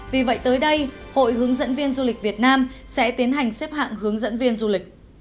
vì vậy tới đây hội hướng dẫn viên du lịch việt nam sẽ tiến hành xếp hạng hướng dẫn viên du lịch